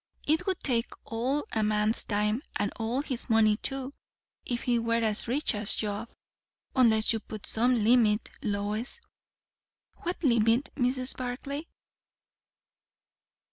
It would take all a man's time, and all his money too, if he were as rich as Job; unless you put some limit, Lois." "What limit, Mrs. Barclay?"